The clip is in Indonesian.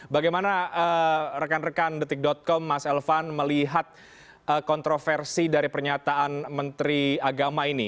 bagaimana rekan rekan detik com mas elvan melihat kontroversi dari pernyataan menteri agama ini